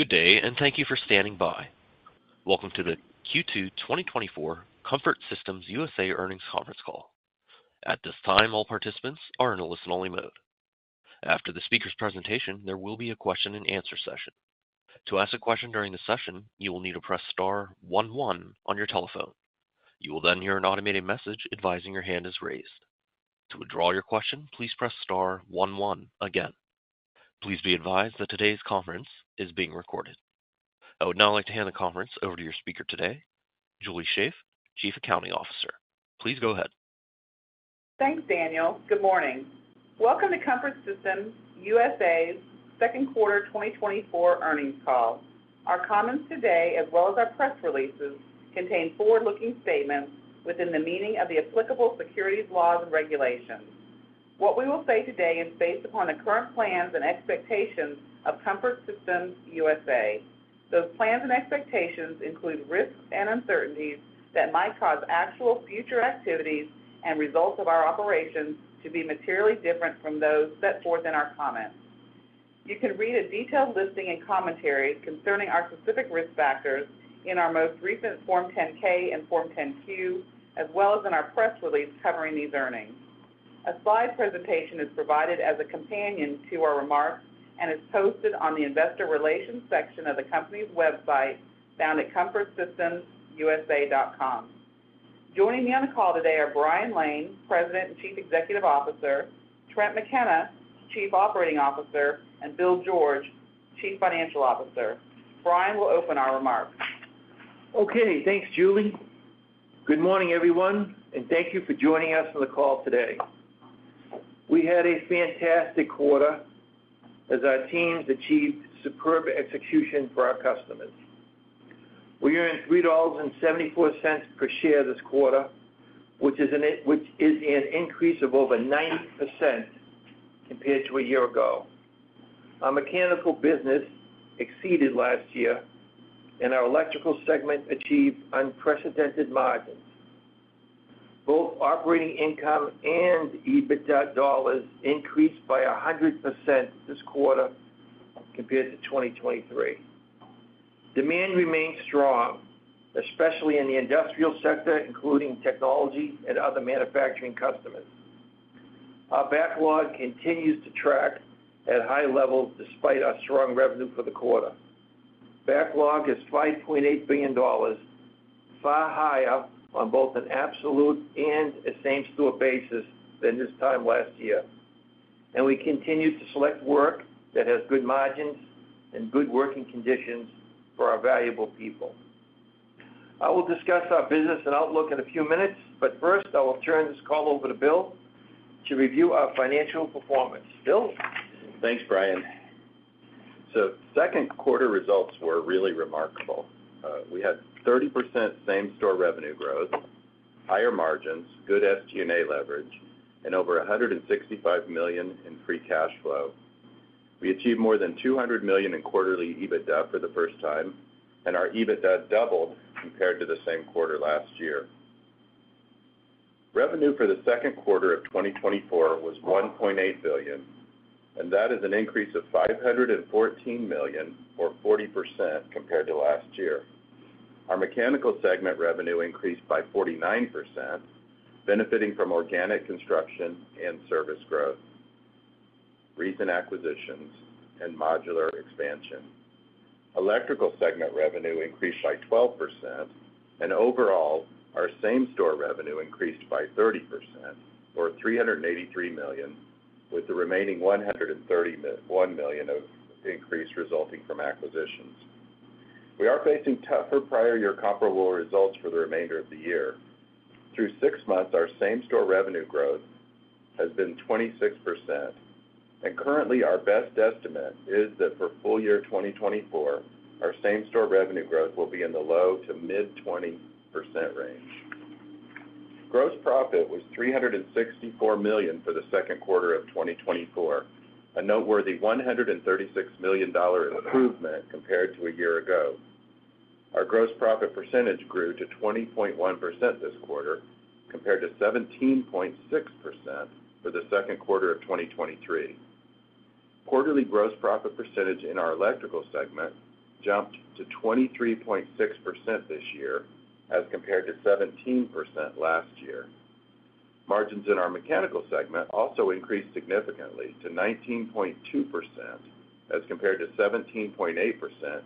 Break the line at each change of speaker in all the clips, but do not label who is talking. Good day, and thank you for standing by. Welcome to the Q2 2024 Comfort Systems USA earnings conference call. At this time, all participants are in a listen-only mode. After the speaker's presentation, there will be a question-and-answer session. To ask a question during the session, you will need to press star one one on your telephone. You will then hear an automated message advising your hand is raised. To withdraw your question, please press star one one again. Please be advised that today's conference is being recorded. I would now like to hand the conference over to your speaker today, Julie Shaeff, Chief Accounting Officer. Please go ahead.
Thanks, Daniel. Good morning. Welcome to Comfort Systems USA's second quarter 2024 earnings call. Our comments today, as well as our press releases, contain forward-looking statements within the meaning of the applicable securities laws and regulations. What we will say today is based upon the current plans and expectations of Comfort Systems USA. Those plans and expectations include risks and uncertainties that might cause actual future activities and results of our operations to be materially different from those set forth in our comments. You can read a detailed listing and commentary concerning our specific risk factors in our most recent Form 10-K and Form 10-Q, as well as in our press release covering these earnings. A slide presentation is provided as a companion to our remarks and is posted on the investor relations section of the company's website found at comfortsystemsusa.com. Joining me on the call today are Brian Lane, President and Chief Executive Officer, Trent McKenna, Chief Operating Officer, and Bill George, Chief Financial Officer. Brian will open our remarks.
Okay. Thanks, Julie. Good morning, everyone, and thank you for joining us on the call today. We had a fantastic quarter as our teams achieved superb execution for our customers. We earned $3.74 per share this quarter, which is an increase of over 90% compared to a year ago. Our mechanical business exceeded last year, and our electrical segment achieved unprecedented margins. Both operating income and EBITDA dollars increased by 100% this quarter compared to 2023. Demand remains strong, especially in the industrial sector, including technology and other manufacturing customers. Our backlog continues to track at high levels despite our strong revenue for the quarter. Backlog is $5.8 billion, far higher on both an absolute and a same-store basis than this time last year. We continue to select work that has good margins and good working conditions for our valuable people. I will discuss our business and outlook in a few minutes, but first, I will turn this call over to Bill to review our financial performance. Bill?
Thanks, Brian. So second quarter results were really remarkable. We had 30% same-store revenue growth, higher margins, good SG&A leverage, and over $165 million in free cash flow. We achieved more than $200 million in quarterly EBITDA for the first time, and our EBITDA doubled compared to the same quarter last year. Revenue for the second quarter of 2024 was $1.8 billion, and that is an increase of $514 million, or 40% compared to last year. Our mechanical segment revenue increased by 49%, benefiting from organic construction and service growth, recent acquisitions, and modular expansion. Electrical segment revenue increased by 12%, and overall, our same-store revenue increased by 30%, or $383 million, with the remaining $131 million increase resulting from acquisitions. We are facing tougher prior-year comparable results for the remainder of the year. Through six months, our same-store revenue growth has been 26%, and currently, our best estimate is that for full year 2024, our same-store revenue growth will be in the low to mid-20% range. Gross profit was $364 million for the second quarter of 2024, a noteworthy $136 million improvement compared to a year ago. Our gross profit percentage grew to 20.1% this quarter, compared to 17.6% for the second quarter of 2023. Quarterly gross profit percentage in our electrical segment jumped to 23.6% this year, as compared to 17% last year. Margins in our mechanical segment also increased significantly to 19.2%, as compared to 17.8%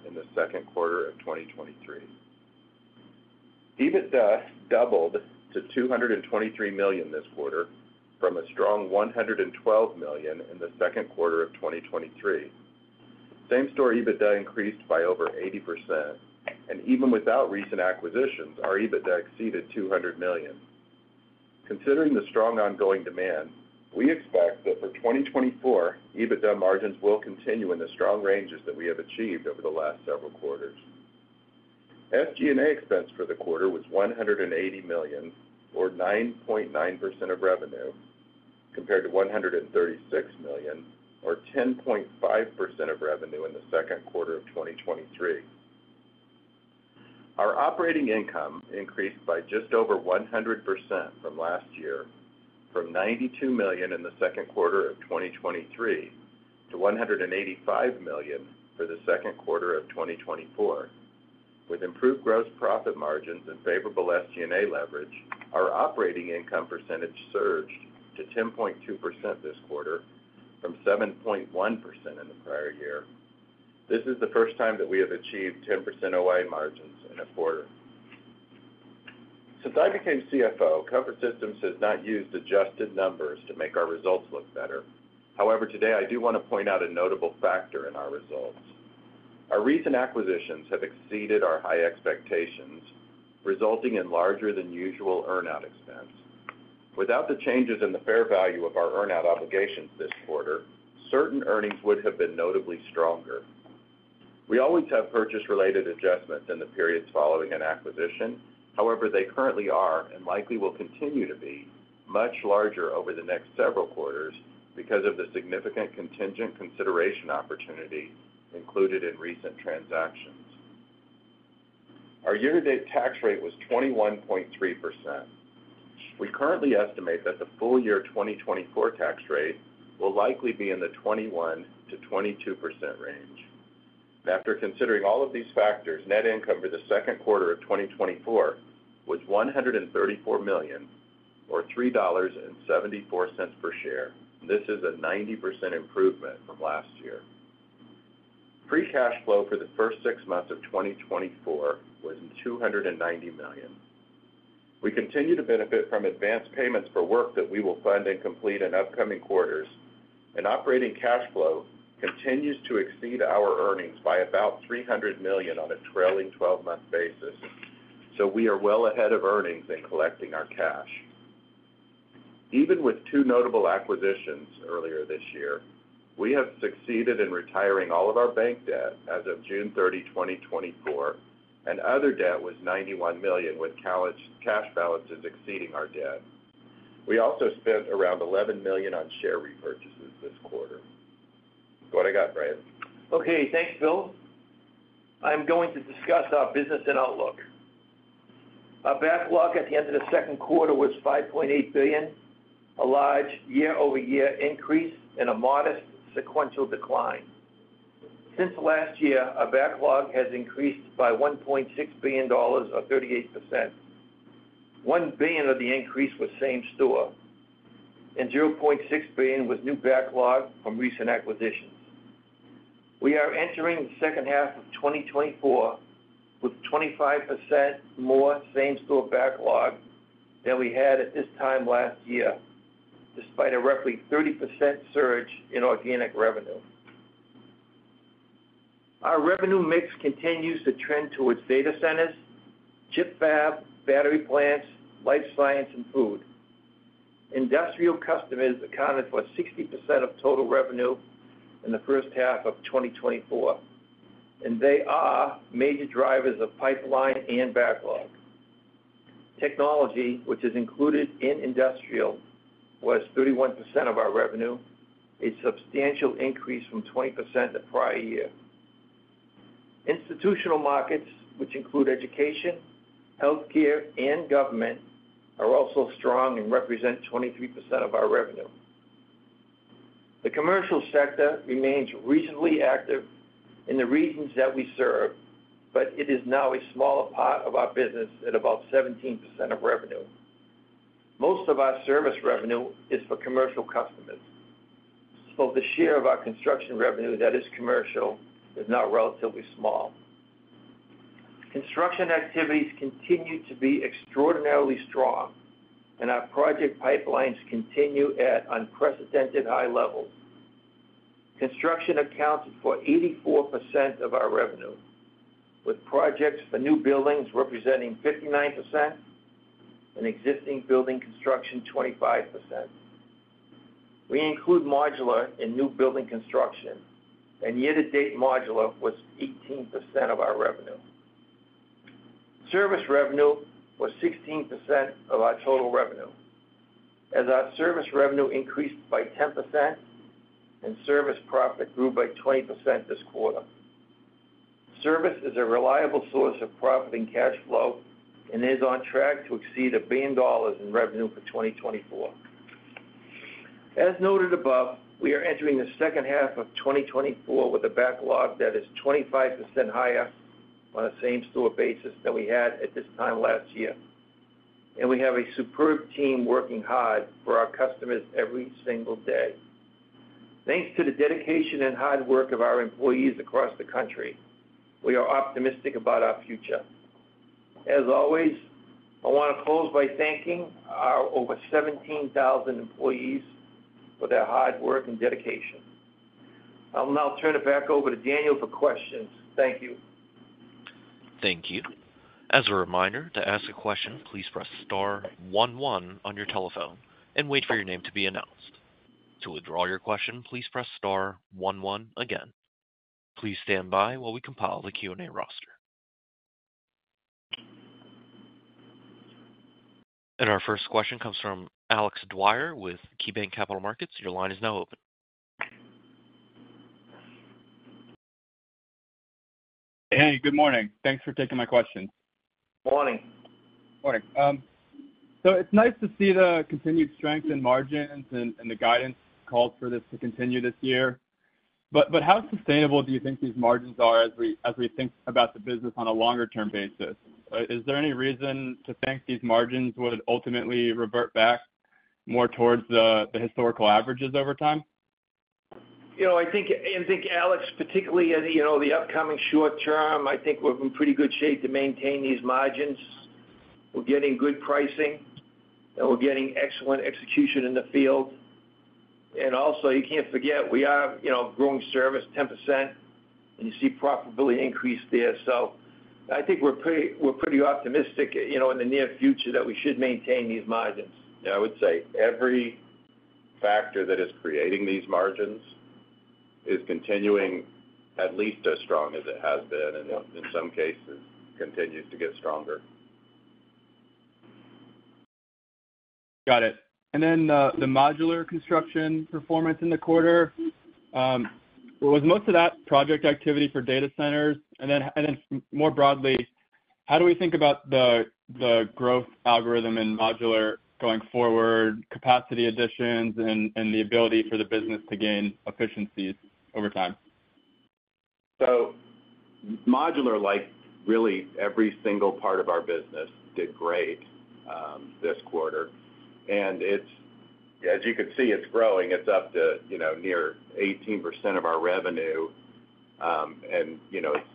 in the second quarter of 2023. EBITDA doubled to $223 million this quarter, from a strong $112 million in the second quarter of 2023. Same-store EBITDA increased by over 80%, and even without recent acquisitions, our EBITDA exceeded $200 million. Considering the strong ongoing demand, we expect that for 2024, EBITDA margins will continue in the strong ranges that we have achieved over the last several quarters. SG&A expense for the quarter was $180 million, or 9.9% of revenue, compared to $136 million, or 10.5% of revenue in the second quarter of 2023. Our operating income increased by just over 100% from last year, from $92 million in the second quarter of 2023 to $185 million for the second quarter of 2024. With improved gross profit margins and favorable SG&A leverage, our operating income percentage surged to 10.2% this quarter, from 7.1% in the prior year. This is the first time that we have achieved 10% OI margins in a quarter. Since I became CFO, Comfort Systems has not used adjusted numbers to make our results look better. However, today, I do want to point out a notable factor in our results. Our recent acquisitions have exceeded our high expectations, resulting in larger-than-usual earnout expense. Without the changes in the fair value of our earnout obligations this quarter, certain earnings would have been notably stronger. We always have purchase-related adjustments in the periods following an acquisition. However, they currently are and likely will continue to be much larger over the next several quarters because of the significant contingent consideration opportunity included in recent transactions. Our year-to-date tax rate was 21.3%. We currently estimate that the full year 2024 tax rate will likely be in the 21%-22% range. After considering all of these factors, net income for the second quarter of 2024 was $134 million, or $3.74 per share. This is a 90% improvement from last year. Free cash flow for the first six months of 2024 was $290 million. We continue to benefit from advance payments for work that we will fund and complete in upcoming quarters, and operating cash flow continues to exceed our earnings by about $300 million on a trailing 12-month basis, so we are well ahead of earnings in collecting our cash. Even with two notable acquisitions earlier this year, we have succeeded in retiring all of our bank debt as of June 30, 2024, and other debt was $91 million, with cash balances exceeding our debt. We also spent around $11 million on share repurchases this quarter. Go ahead, Brian Lane.
Okay. Thanks, Bill. I'm going to discuss our business and outlook. Our backlog at the end of the second quarter was $5.8 billion, a large year-over-year increase and a modest sequential decline. Since last year, our backlog has increased by $1.6 billion, or 38%. $1 billion of the increase was same-store, and $0.6 billion was new backlog from recent acquisitions. We are entering the second half of 2024 with 25% more same-store backlog than we had at this time last year, despite a roughly 30% surge in organic revenue. Our revenue mix continues to trend towards data centers, chip fab, battery plants, life science, and food. Industrial customers accounted for 60% of total revenue in the first half of 2024, and they are major drivers of pipeline and backlog. Technology, which is included in industrial, was 31% of our revenue, a substantial increase from 20% the prior year. Institutional markets, which include education, healthcare, and government, are also strong and represent 23% of our revenue. The commercial sector remains reasonably active in the regions that we serve, but it is now a smaller part of our business at about 17% of revenue. Most of our service revenue is for commercial customers, so the share of our construction revenue that is commercial is now relatively small. Construction activities continue to be extraordinarily strong, and our project pipelines continue at unprecedented high levels. Construction accounted for 84% of our revenue, with projects for new buildings representing 59% and existing building construction 25%. We include modular in new building construction, and year-to-date modular was 18% of our revenue. Service revenue was 16% of our total revenue, as our service revenue increased by 10% and service profit grew by 20% this quarter. Service is a reliable source of profit and cash flow and is on track to exceed $1 billion in revenue for 2024. As noted above, we are entering the second half of 2024 with a backlog that is 25% higher on a same-store basis than we had at this time last year, and we have a superb team working hard for our customers every single day. Thanks to the dedication and hard work of our employees across the country, we are optimistic about our future. As always, I want to close by thanking our over 17,000 employees for their hard work and dedication. I'll now turn it back over to Daniel for questions. Thank you.
Thank you. As a reminder, to ask a question, please press star 11 on your telephone and wait for your name to be announced. To withdraw your question, please press star 11 again. Please stand by while we compile the Q&A roster. And our first question comes from Alex Dwyer with KeyBanc Capital Markets. Your line is now open.
Hey, good morning. Thanks for taking my question.
Morning.
Morning. So it's nice to see the continued strength in margins and the guidance called for this to continue this year. But how sustainable do you think these margins are as we think about the business on a longer-term basis? Is there any reason to think these margins would ultimately revert back more towards the historical averages over time?
I think, Alex, particularly in the upcoming short term, I think we're in pretty good shape to maintain these margins. We're getting good pricing, and we're getting excellent execution in the field. And also, you can't forget, we are growing service 10%, and you see profitability increase there. So I think we're pretty optimistic in the near future that we should maintain these margins.
Yeah, I would say every factor that is creating these margins is continuing at least as strong as it has been and in some cases continues to get stronger.
Got it. And then the modular construction performance in the quarter, was most of that project activity for data centers? And then more broadly, how do we think about the growth algorithm in modular going forward, capacity additions, and the ability for the business to gain efficiencies over time?
So modular, like really every single part of our business, did great this quarter. And as you can see, it's growing. It's up to near 18% of our revenue. And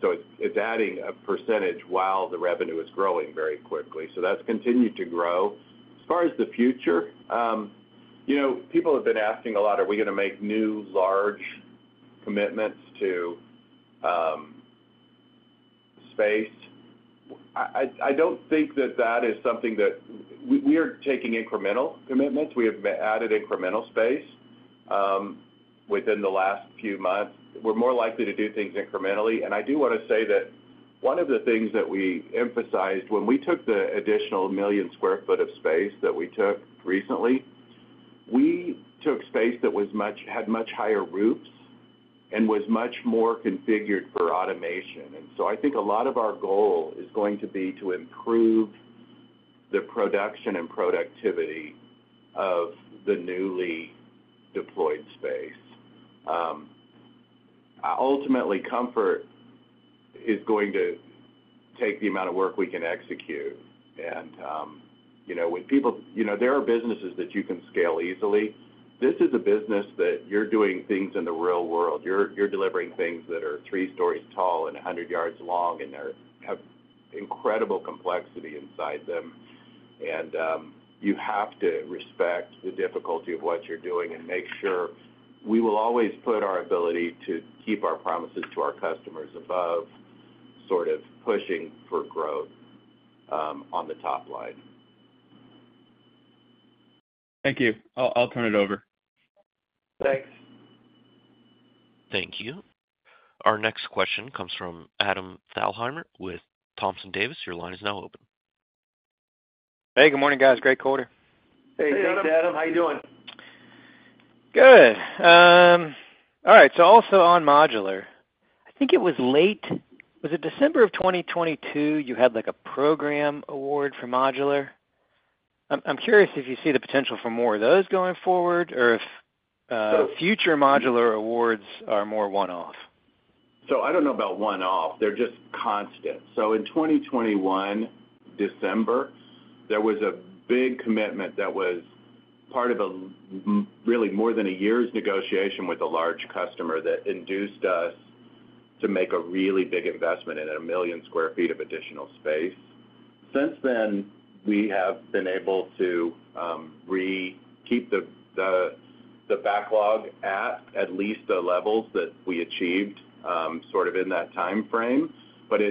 so it's adding a percentage while the revenue is growing very quickly. So that's continued to grow. As far as the future, people have been asking a lot, "Are we going to make new large commitments to space?" I don't think that that is something that we are taking incremental commitments. We have added incremental space within the last few months. We're more likely to do things incrementally. And I do want to say that one of the things that we emphasized when we took the additional 1 million sq ft of space that we took recently, we took space that had much higher roofs and was much more configured for automation. And so I think a lot of our goal is going to be to improve the production and productivity of the newly deployed space. Ultimately, Comfort is going to take the amount of work we can execute. And when people, there are businesses that you can scale easily. This is a business that you're doing things in the real world. You're delivering things that are 3 stories tall and 100 yards long, and they have incredible complexity inside them. And you have to respect the difficulty of what you're doing and make sure we will always put our ability to keep our promises to our customers above sort of pushing for growth on the top line.
Thank you. I'll turn it over.
Thanks.
Thank you. Our next question comes from Adam Thalhimer with Thompson Davis. Your line is now open.
Hey, good morning, guys. Great quarter.
Hey, thanks, Adam. How you doing?
Good. All right. So also on modular, I think it was late, was it December of 2022 you had a program award for modular? I'm curious if you see the potential for more of those going forward or if future modular awards are more one-off.
So I don't know about one-off. They're just constant. So in 2021, December, there was a big commitment that was part of a really more than a year's negotiation with a large customer that induced us to make a really big investment in 1 million sq ft of additional space. Since then, we have been able to keep the backlog at least the levels that we achieved sort of in that time frame. But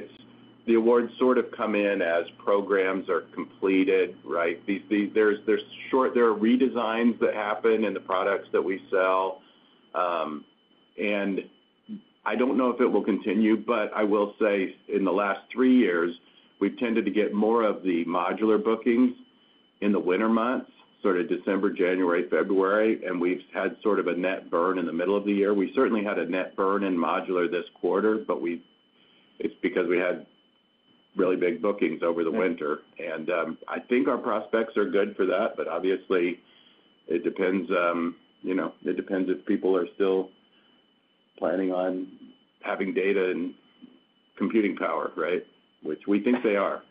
the awards sort of come in as programs are completed, right? There are redesigns that happen in the products that we sell. And I don't know if it will continue, but I will say in the last three years, we've tended to get more of the modular bookings in the winter months, sort of December, January, February. And we've had sort of a net burn in the middle of the year. We certainly had a net burn in modular this quarter, but it's because we had really big bookings over the winter. I think our prospects are good for that, but obviously, it depends if people are still planning on having data and computing power, right? Which we think they are.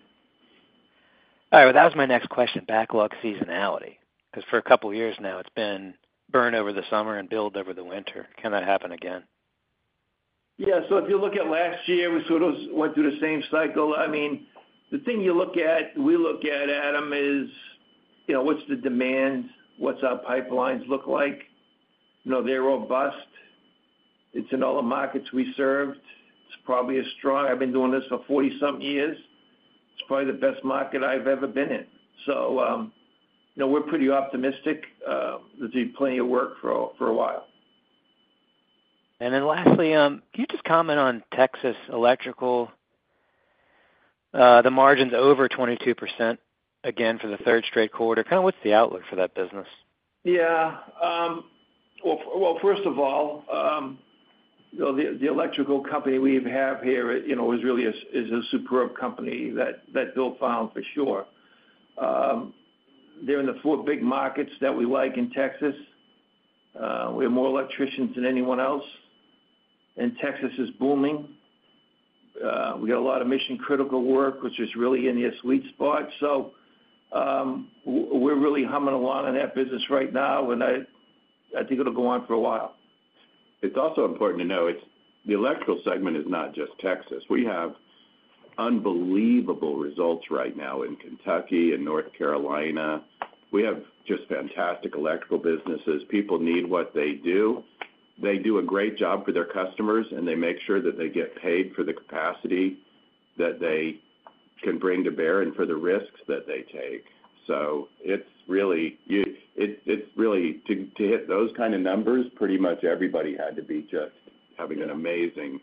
All right. Well, that was my next question, backlog seasonality, because for a couple of years now, it's been burn over the summer and build over the winter. Can that happen again?
Yeah. So if you look at last year, we sort of went through the same cycle. I mean, the thing you look at, we look at, Adam, is what's the demand? What's our pipelines look like? They're robust. It's in all the markets we served. It's probably a strong. I've been doing this for 40-something years. It's probably the best market I've ever been in. So we're pretty optimistic that there'll be plenty of work for a while.
Then lastly, can you just comment on Texas Electrical? The margins over 22% again for the third straight quarter. Kind of what's the outlook for that business?
Yeah. Well, first of all, the electrical company we have here is really a superb company that Bill found for sure. They're in the four big markets that we like in Texas. We have more electricians than anyone else. And Texas is booming. We got a lot of mission-critical work, which is really in the sweet spot. So we're really humming along in that business right now, and I think it'll go on for a while.
It's also important to know the electrical segment is not just Texas. We have unbelievable results right now in Kentucky and North Carolina. We have just fantastic electrical businesses. People need what they do. They do a great job for their customers, and they make sure that they get paid for the capacity that they can bring to bear and for the risks that they take. So it's really to hit those kind of numbers, pretty much everybody had to be just having an amazing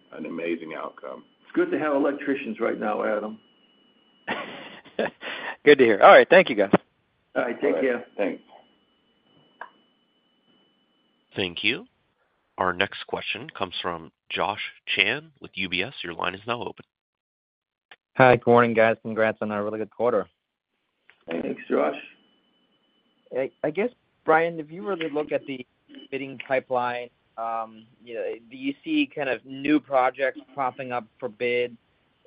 outcome.
It's good to have electricians right now, Adam.
Good to hear. All right. Thank you, guys.
All right. Take care.
Thanks.
Thank you. Our next question comes from Josh Chan with UBS. Your line is now open.
Hi. Good morning, guys. Congrats on a really good quarter.
Thanks, Josh.
I guess, Brian, if you were to look at the bidding pipeline, do you see kind of new projects popping up for bid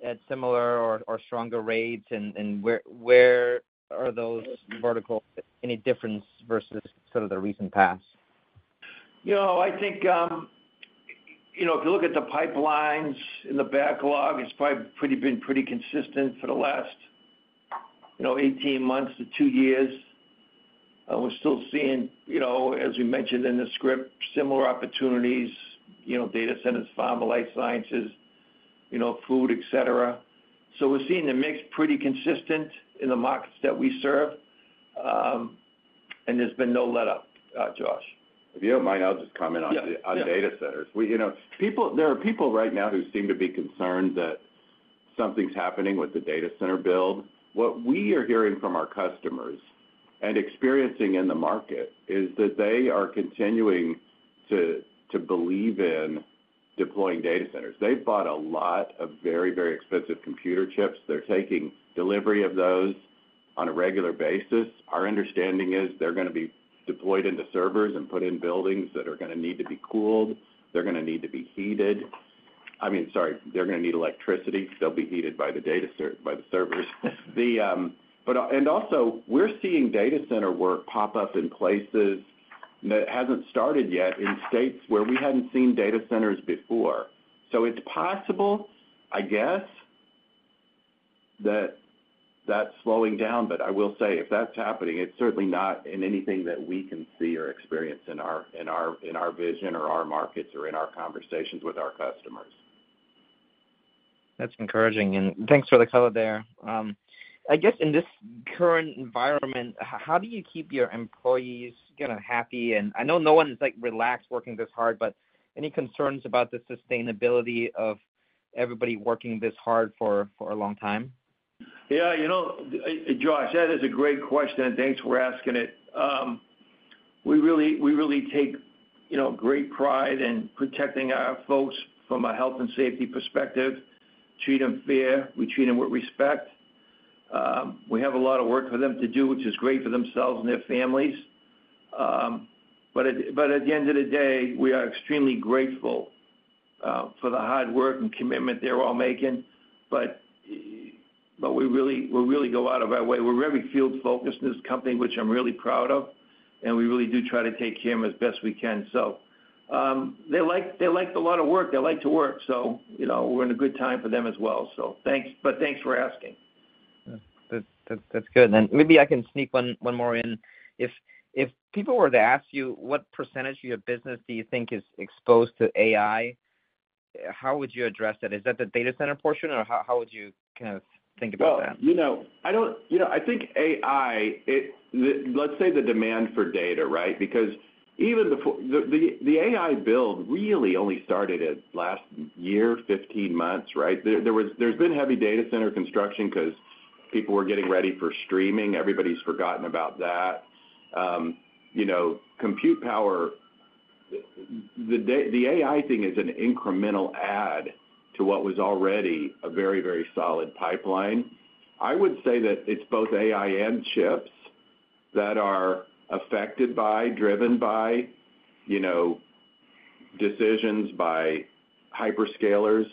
at similar or stronger rates, and where are those verticals any different versus sort of the recent past?
I think if you look at the pipelines in the backlog, it's probably been pretty consistent for the last 18 months to 2 years. We're still seeing, as we mentioned in the script, similar opportunities, data centers, pharma life sciences, food, etc. So we're seeing the mix pretty consistent in the markets that we serve. And there's been no letup, Josh.
If you don't mind, I'll just comment on data centers. There are people right now who seem to be concerned that something's happening with the data center build. What we are hearing from our customers and experiencing in the market is that they are continuing to believe in deploying data centers. They've bought a lot of very, very expensive computer chips. They're taking delivery of those on a regular basis. Our understanding is they're going to be deployed into servers and put in buildings that are going to need to be cooled. They're going to need to be heated. I mean, sorry, they're going to need electricity. They'll be heated by the servers. And also, we're seeing data center work pop up in places that hasn't started yet in states where we hadn't seen data centers before. So it's possible, I guess, that that's slowing down. But I will say, if that's happening, it's certainly not in anything that we can see or experience in our vision or our markets or in our conversations with our customers.
That's encouraging. Thanks for the color there. I guess in this current environment, how do you keep your employees kind of happy? I know no one is relaxed working this hard, but any concerns about the sustainability of everybody working this hard for a long time?
Yeah. Josh, that is a great question, and thanks for asking it. We really take great pride in protecting our folks from a health and safety perspective. Treat them fairly. We treat them with respect. We have a lot of work for them to do, which is great for themselves and their families. But at the end of the day, we are extremely grateful for the hard work and commitment they're all making. But we really go out of our way. We're very field-focused in this company, which I'm really proud of. And we really do try to take care of them as best we can. So they like a lot of work. They like to work. So we're in a good time for them as well. But thanks for asking.
That's good. Maybe I can sneak one more in. If people were to ask you what percentage of your business do you think is exposed to AI, how would you address that? Is that the data center portion, or how would you kind of think about that?
Well, I think AI, let's say the demand for data, right? Because even the AI build really only started last year, 15 months, right? There's been heavy data center construction because people were getting ready for streaming. Everybody's forgotten about that. Compute power, the AI thing is an incremental add to what was already a very, very solid pipeline. I would say that it's both AI and chips that are affected by, driven by decisions by hyperscalers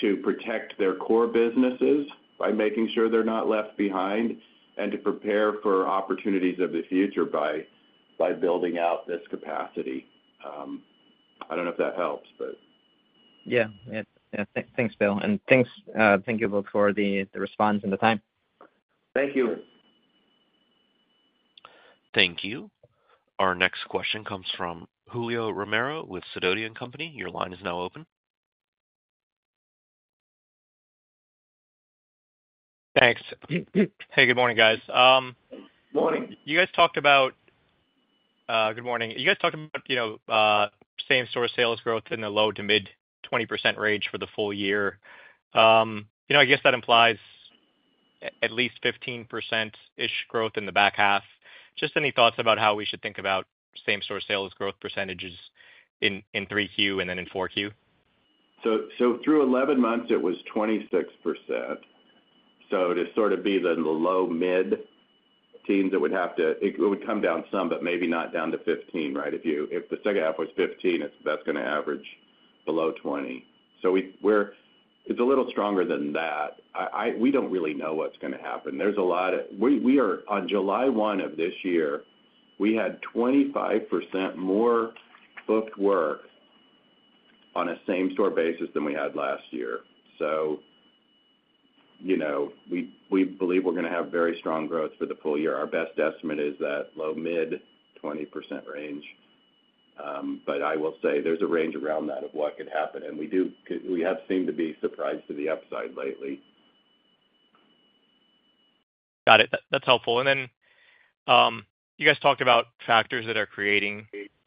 to protect their core businesses by making sure they're not left behind and to prepare for opportunities of the future by building out this capacity. I don't know if that helps, but.
Yeah. Thanks, Bill. And thank you both for the response and the time.
Thank you.
Thank you. Our next question comes from Julio Romero with Sidoti & Company. Your line is now open.
Thanks. Hey, good morning, guys.
Morning.
Good morning. You guys talked about same-store sales growth in the low-to-mid 20% range for the full year. I guess that implies at least 15%-ish growth in the back half. Just any thoughts about how we should think about same-store sales growth percentages in 3Q and then in 4Q?
So through 11 months, it was 26%. So to sort of be the low-mid teens, it would have to it would come down some, but maybe not down to 15, right? If the second half was 15%, that's going to average below 20%. So it's a little stronger than that. We don't really know what's going to happen. There's a lot of we are on July 1 of this year. We had 25% more booked work on a same-store basis than we had last year. So we believe we're going to have very strong growth for the full year. Our best estimate is that low-mid 20% range. But I will say there's a range around that of what could happen. And we have seemed to be surprised to the upside lately.
Got it. That's helpful. And then you guys talked about factors that are creating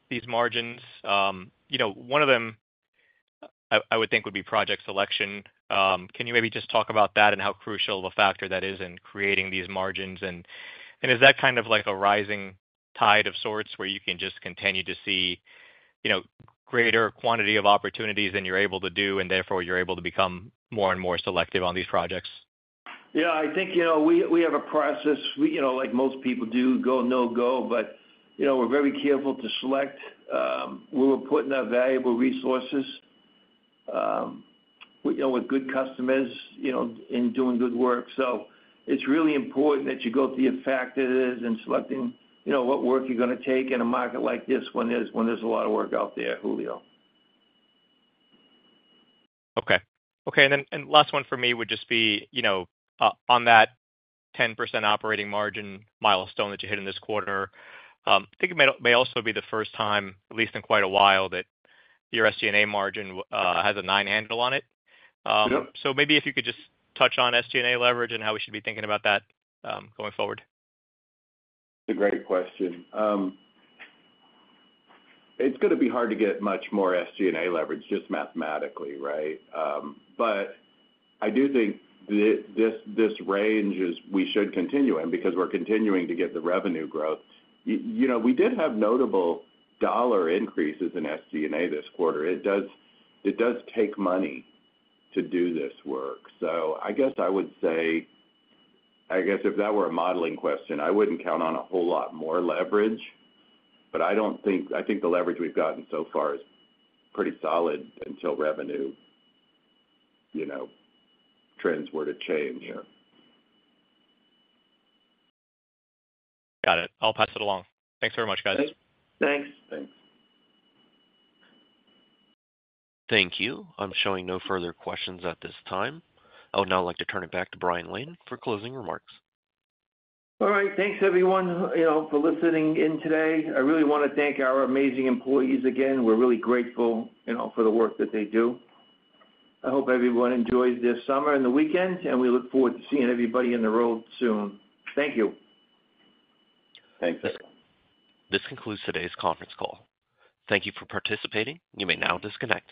these margins. One of them, I would think, would be project selection. Can you maybe just talk about that and how crucial of a factor that is in creating these margins? And is that kind of like a rising tide of sorts where you can just continue to see greater quantity of opportunities than you're able to do, and therefore, you're able to become more and more selective on these projects?
Yeah. I think we have a process. Like most people do, go, no, go. But we're very careful to select. We will put in our valuable resources with good customers in doing good work. So it's really important that you go through your factors and selecting what work you're going to take in a market like this when there's a lot of work out there, Julio.
Okay. And then last one for me would just be on that 10% operating margin milestone that you hit in this quarter. I think it may also be the first time, at least in quite a while, that your SG&A margin has a nine-handle on it. So maybe if you could just touch on SG&A leverage and how we should be thinking about that going forward.
It's a great question. It's going to be hard to get much more SG&A leverage just mathematically, right? But I do think this range is we should continue in because we're continuing to get the revenue growth. We did have notable dollar increases in SG&A this quarter. It does take money to do this work. So I guess I would say, I guess if that were a modeling question, I wouldn't count on a whole lot more leverage. But I think the leverage we've gotten so far is pretty solid until revenue trends were to change.
Got it. I'll pass it along. Thanks very much, guys.
Thanks.
Thanks.
Thank you. I'm showing no further questions at this time. I would now like to turn it back to Brian Lane for closing remarks.
All right. Thanks, everyone, for listening in today. I really want to thank our amazing employees again. We're really grateful for the work that they do. I hope everyone enjoys this summer and the weekend, and we look forward to seeing everybody on the road soon. Thank you.
Thanks.
This concludes today's conference call. Thank you for participating. You may now disconnect.